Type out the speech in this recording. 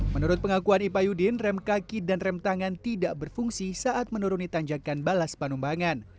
menurut pengakuan ipa yudin rem kaki dan rem tangan tidak berfungsi saat menuruni tanjakan balas panumbangan